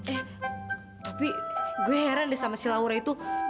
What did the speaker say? eh tapi gue heran deh sama si laura itu